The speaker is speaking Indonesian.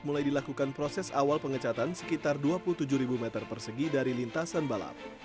mulai dilakukan proses awal pengecatan sekitar dua puluh tujuh meter persegi dari lintasan balap